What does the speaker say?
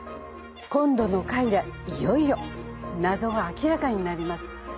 今度の回でいよいよ謎が明らかになります。